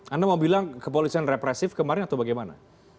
anda mau bilang kepolisian represif kemarin atau bagaimana